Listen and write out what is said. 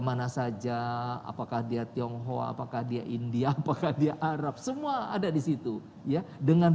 mana saja apakah dia tionghoa apakah dia india apakah dia arab semua ada di situ ya dengan